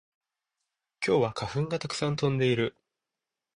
今日は花粉がたくさん飛んでいる